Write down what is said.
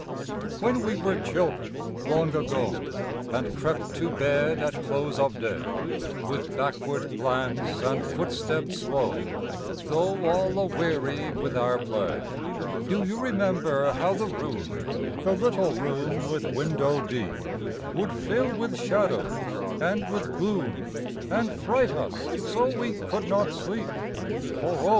When we were children, long ago, And crept to bed at close of day, With backward glance and footstep slow, Though all aweary with our play, Do you remember how the room The little room with window deep Would fill with shadows and with gloom, And fright us so we could not sleep? For O!